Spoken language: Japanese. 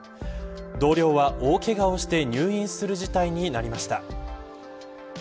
同僚は大怪我をして入院する事態になりました。